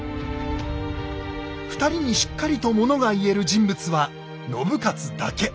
２人にしっかりとものが言える人物は信雄だけ。